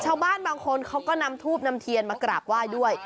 ชาวบ้านบางคนเขาก็นำทูบนำเทียนมากราบไหว้ด้วย